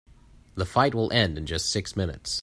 The fight will end in just six minutes.